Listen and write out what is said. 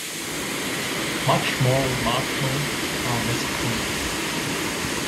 Much more remarkable are his comedies.